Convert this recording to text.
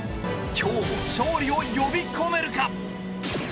今日も勝利を呼び込めるか。